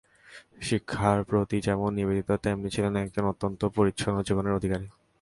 শিক্ষার প্রতি যেমন নিবেদিত, তেমনি ছিলেন একজন অত্যন্ত পরিচ্ছন্ন জীবনের অধিকারী।